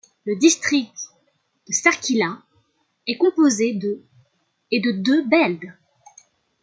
Le district de Şarkışla est composé de et de deux Belde.